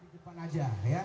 di depan saja ya